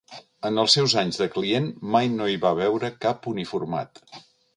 En els seus anys de client mai no hi va veure cap uniformat.